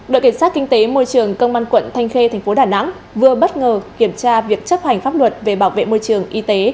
đội kiểm soát kinh tế môi trường công an quận thanh khê thành phố đà nẵng vừa bất ngờ kiểm tra việc chấp hành pháp luật về bảo vệ môi trường y tế